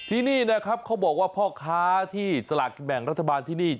ที่นี่นะครับเขาบอกว่าพ่อค้าที่สลากกินแบ่งรัฐบาลที่นี่